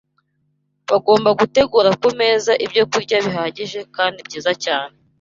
Bagomba gutegura ku meza ibyokurya bihagije kandi byiza cyane